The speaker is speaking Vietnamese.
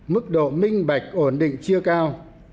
mức độ minh bạch ổn định chưa cao